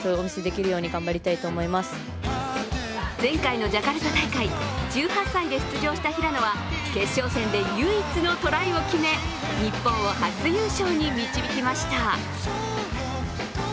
前回のジャカルタ大会、１８歳で出場した平野は決勝戦で唯一のトライを決め、日本を初優勝に導きました。